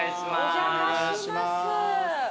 お邪魔します。